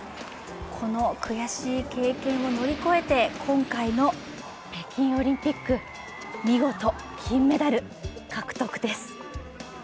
この悔しい経験を乗り越えて今回の北京オリンピック、見事金メダル獲得です。